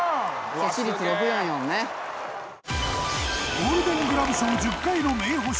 ゴールデン・グラブ賞１０回の名捕手。